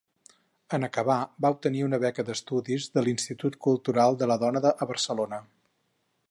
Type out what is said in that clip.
En acabar va obtenir una beca d'estudis de l'Institut Cultural de la Dona a Barcelona.